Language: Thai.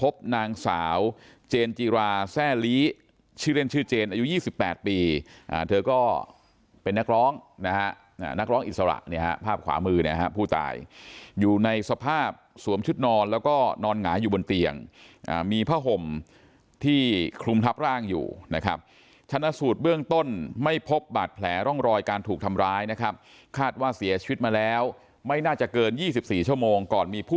นางสาวเจนจิราแซ่ลีชื่อเล่นชื่อเจนอายุ๒๘ปีเธอก็เป็นนักร้องนะฮะนักร้องอิสระเนี่ยฮะภาพขวามือเนี่ยฮะผู้ตายอยู่ในสภาพสวมชุดนอนแล้วก็นอนหงายอยู่บนเตียงมีผ้าห่มที่คลุมทับร่างอยู่นะครับชนะสูตรเบื้องต้นไม่พบบาดแผลร่องรอยการถูกทำร้ายนะครับคาดว่าเสียชีวิตมาแล้วไม่น่าจะเกิน๒๔ชั่วโมงก่อนมีผู้